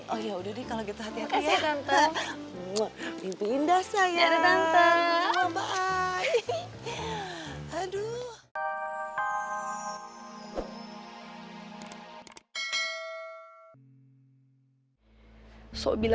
oh yaudah deh kalau gitu hati hati aduh